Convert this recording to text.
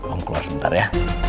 om keluar sebentar ya